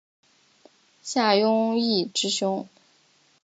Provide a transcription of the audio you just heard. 夏允彝之兄。